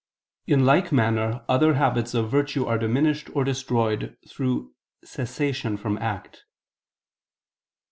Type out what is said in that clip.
In like manner other habits of virtue are diminished or destroyed through cessation from act.